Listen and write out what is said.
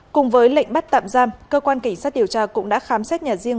cùng với lệnh bắt tạm giam cơ quan cảnh sát điều tra cũng đã khám xét nhà riêng